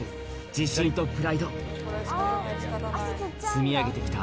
自信とプライド積み上げてきた